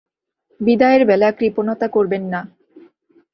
বিদায়ের বেলা কৃপণতা করবেন না।